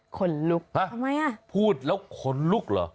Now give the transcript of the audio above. ขนลุกทำไมอ่ะพูดแล้วขนลุกเหรอ